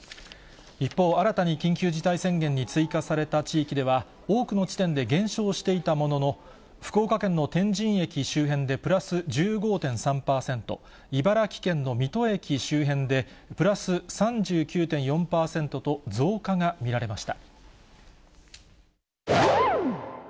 一方、新たに緊急事態宣言に追加された地域では、多くの地点で減少していたものの、福岡県の天神駅周辺でプラス１５．３％、茨城県の水戸駅周辺でプラス３９．４％と、増加が見られました。